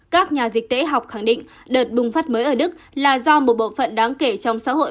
các nhà dịch tễ học khẳng định đợt bùng phát mới ở đức là do một bộ phận đáng kể trong xã hội